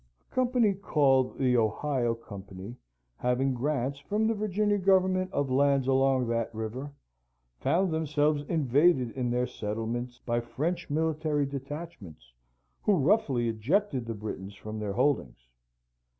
A company, called the Ohio Company, having grants from the Virginia government of lands along that river, found themselves invaded in their settlements by French military detachments, who roughly ejected the Britons from their holdings.